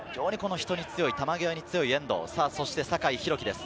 人に強い、球際に強い遠藤、そして酒井宏樹です。